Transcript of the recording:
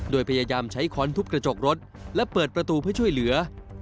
โดยพยายามใช้ค้อนทุบกระจกรถและเปิดประตูเพื่อช่วยเหลือ